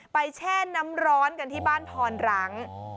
แช่น้ำร้อนกันที่บ้านพรรัง